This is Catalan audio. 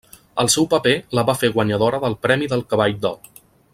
El seu paper la va fer guanyadora del premi del Cavall d'Or.